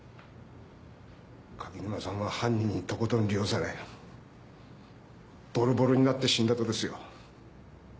垣沼さんは犯人にとことん利用されボロボロになって死んだとですよ。